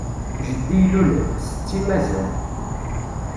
Jeddi ilul-d, setti mazal.